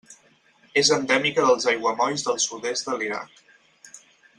És endèmica dels aiguamolls del sud-est de l'Iraq.